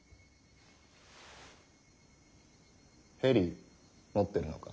ヘリ持ってるのか？